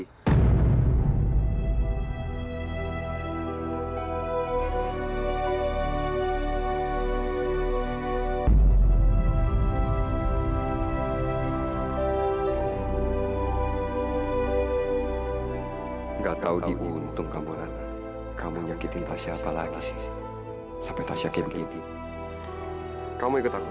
enggak tahu diuntungkan berat kamu nyakitin taksi apalagi si sepeta siapin kamu ikut aku